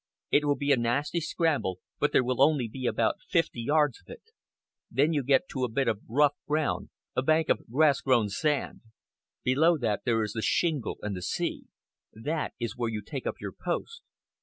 It will be a nasty scramble, but there will only be about fifty yards of it. Then you get to a bit of rough ground a bank of grass grown sand. Below that there is the shingle and the sea. That is where you take up your post."